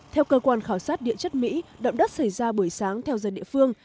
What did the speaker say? theo cơ quan khảo sát địa chất mỹ động đất xảy ra buổi sáng theo giờ địa phương